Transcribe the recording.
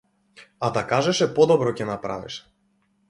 А да кажеше подобро ќе направеше.